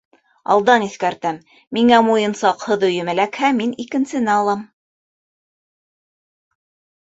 Алдан иҫкәртәм: миңә муйынсаҡһыҙ өйөм эләкһә, мин икенсене алам.